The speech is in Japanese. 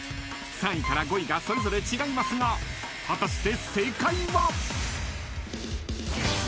［３位から５位がそれぞれ違いますが果たして正解は！？］